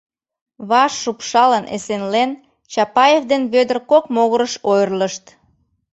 Ваш шупшалын эсенлен, Чапаев ден Вӧдыр кок могырыш ойырлышт.